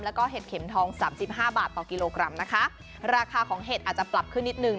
แล้วก็เห็ดเข็มทองสามสิบห้าบาทต่อกิโลกรัมนะคะราคาของเห็ดอาจจะปรับขึ้นนิดหนึ่ง